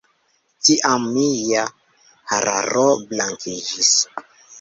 Tiam mia hararo blankiĝis.